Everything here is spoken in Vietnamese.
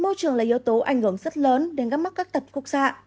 môi trường là yếu tố ảnh hưởng rất lớn đến các mắc các tật khúc xạ